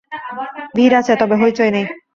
ভিড় আছে, তবে হৈচৈ নেই।